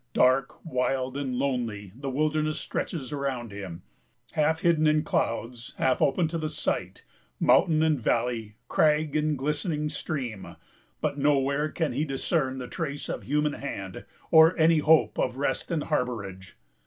Dark, wild, and lonely, the wilderness stretches around him, half hidden in clouds, half open to the sight, mountain and valley, crag and glistening stream; but nowhere can he discern the trace of human hand or any hope of rest and harborage.